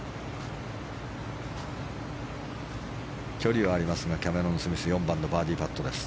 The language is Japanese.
距離はありますがキャメロン・スミス４番のバーディーパットです。